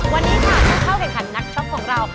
วันนี้ค่ะผู้เข้าแข่งขันนักช็อปของเรา